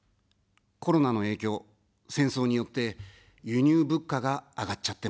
コロナの影響、戦争によって、輸入物価が上がっちゃってます。